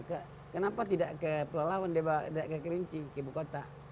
kenapa tidak ke pelalawan ke kerinci ke ibu kota